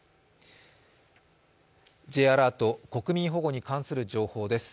Ｊアラート、国民保護に関する情報です。